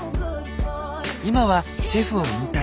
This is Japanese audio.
今はシェフを引退。